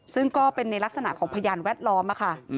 ซึ่งก็เป็นในลักษณะของพยานแวดล้อมค่ะ